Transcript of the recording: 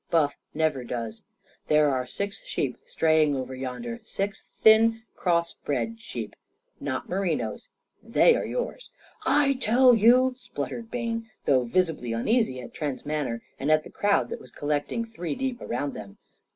Buff never does. There are six sheep straying over yonder six thin, cross bred sheep. Not merinos. They are yours." "I tell you " spluttered Bayne, though visibly uneasy at Trent's manner and at the crowd that was collecting three deep around them.